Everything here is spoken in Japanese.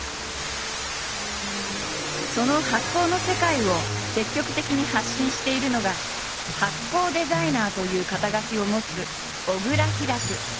その発酵の世界を積極的に発信しているのが「発酵デザイナー」という肩書を持つ小倉ヒラク。